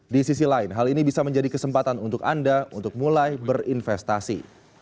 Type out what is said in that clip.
di sisi lain hal ini bisa menjadi kesempatan untuk anda untuk mulai berinvestasi